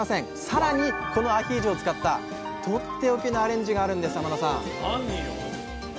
さらにこのアヒージョを使ったとっておきのアレンジがあるんです天野さん何よ。